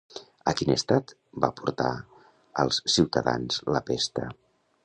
A quin estat va portar als ciutadans la pesta?